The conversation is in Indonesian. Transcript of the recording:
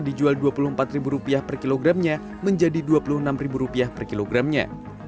dijual rp dua puluh empat per kilogramnya menjadi rp dua puluh enam per kilogramnya